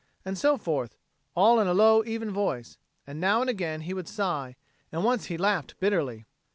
and so forth, all in a low even voice; and now and again he would sigh, and once he laughed bitterly.